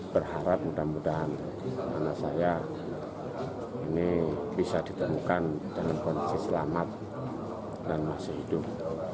berharap mudah mudahan anak saya ini bisa ditemukan dalam kondisi selamat dan masih hidup